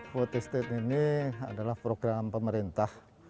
food estate ini adalah program pemerintah